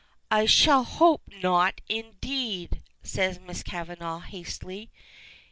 "I should hope not, indeed!" says Miss Kavanagh, hastily.